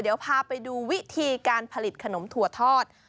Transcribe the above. เดี๋ยวพาไปดูวิธีการผลิตขนมถั่วทอด